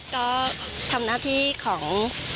ก็ทำหน้าที่ของ